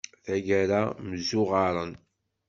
Taggara mmzuɣaṛen.